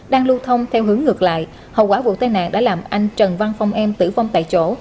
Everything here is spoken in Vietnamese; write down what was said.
đang lưu thông theo hướng ngược lại hậu quả vụ tai nạn đã làm anh trần văn phong em tử vong tại chỗ